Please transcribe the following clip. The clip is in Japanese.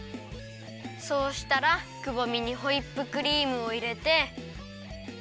そうしたらくぼみにホイップクリームをいれて。